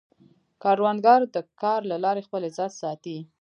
کروندګر د کار له لارې خپل عزت ساتي